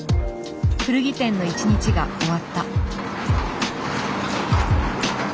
古着店の一日が終わった。